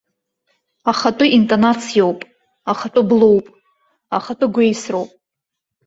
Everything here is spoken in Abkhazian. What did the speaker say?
Ахатәы интонациоуп, ахатәы блоуп, ахатәы гәеисроуп.